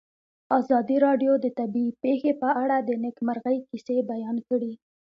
ازادي راډیو د طبیعي پېښې په اړه د نېکمرغۍ کیسې بیان کړې.